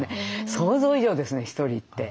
想像以上ですねひとりって。